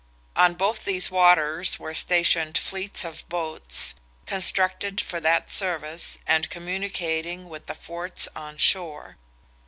On both these waters were stationed fleets of boats, constructed for that service, and communicating with the forts on shore.